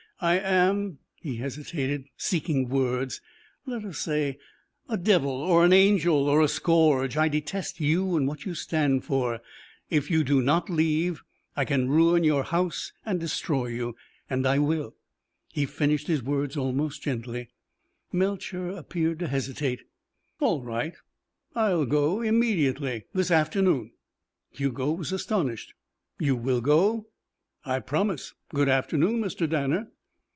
I am " he hesitated, seeking words "let us say, a devil, or an angel, or a scourge. I detest you and what you stand for. If you do not leave I can ruin your house and destroy you. And I will." He finished his words almost gently. Melcher appeared to hesitate. "All right. I'll go. Immediately. This afternoon." Hugo was astonished. "You will go?" "I promise. Good afternoon, Mr. Danner."